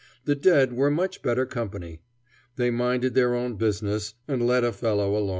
The dead were much better company. They minded their own business, and let a fellow alone.